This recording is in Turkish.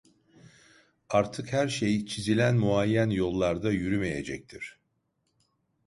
Artık her şey çizilen muayyen yollarda yürümeyecektir.